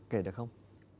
kể được không